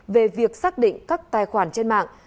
về việc xác định các tài khoản trên mạng